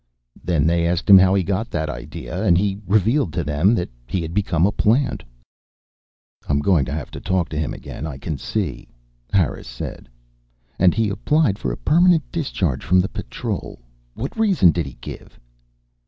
"Then they asked him how he got that idea, and then he revealed to them that he had become a plant." "I'm going to have to talk to him again, I can see," Harris said. "And he's applied for a permanent discharge from the Patrol? What reason did he give?"